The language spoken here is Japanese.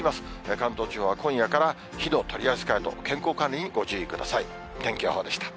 関東地方は今夜から火の取り扱いと健康管理にご注意ください。